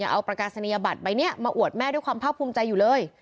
เอาประกาศนียบัตรใบนี้มาอวดแม่ด้วยความภาคภูมิใจอยู่เลย